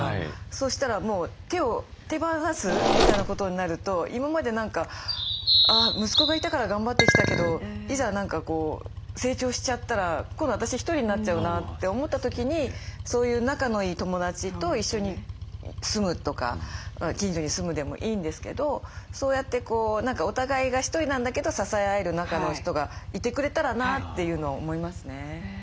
そしたらもう手放すみたいなことになると今まで何か息子がいたから頑張ってきたけどいざ何か成長しちゃったら今度私１人になっちゃうなって思った時にそういう仲のいい友達と一緒に住むとか近所に住むでもいいんですけどそうやってお互いが１人なんだけど支え合える仲の人がいてくれたらなというのを思いますね。